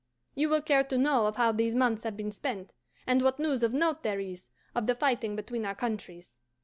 You will care to know of how these months have been spent, and what news of note there is of the fighting between our countries.